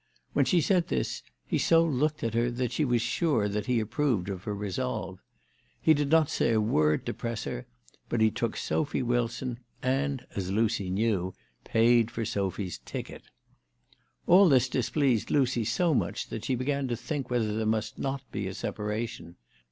When she said this he so looked at her that she was sure that he approved of her resolve. He did not say a word to press her ; but he took Sophy Wilson, and, as Lucy knew, paid for Sophy's ticket. All this displeased Lucy so much that she began to think whether there must not be a separation.